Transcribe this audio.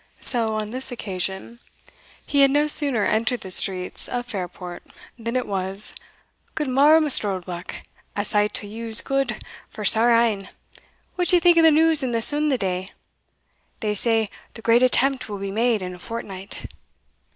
So, on this occasion, he had no sooner entered the streets of Fairport, than it was "Good morrow, Mr. Oldbuck a sight o' you's gude, for sair een: what d'ye think of the news in the Sun the day? they say the great attempt will be made in a fortnight."